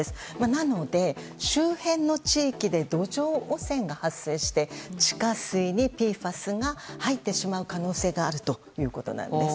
なので、周辺の地域で土壌汚染が発生して地下水にＰＦＡＳが入ってしまう可能性があるということなんです。